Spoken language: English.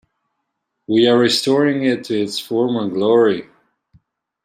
We are restoring it to its former glory.